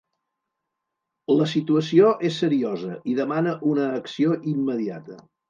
La situació és seriosa i demana una acció immediata.